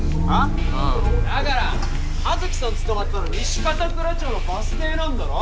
だから一輝さん捕まったの西片倉町のバス停なんだろ？